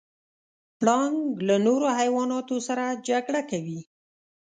پړانګ له نورو حیواناتو سره جګړه کوي.